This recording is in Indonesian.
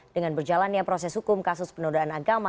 dengan berjalannya proses hukum kasus penodaan agama